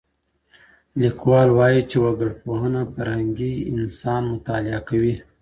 لیکوال وایي چي وګړپوهنه فرهنګي انسان مطالعه کوي.